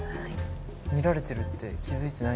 見られてるって気付いてない。